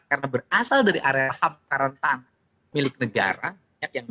karena berasal dari area ramah karantana milik negara